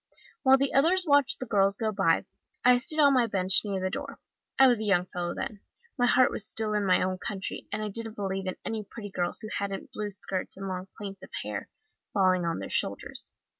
While the others watched the girls go by, I stayed on my bench near the door. I was a young fellow then my heart was still in my own country, and I didn't believe in any pretty girls who hadn't blue skirts and long plaits of hair falling on their shoulders.